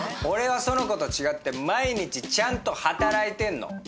俺は苑子と違って毎日ちゃんと働いてんの。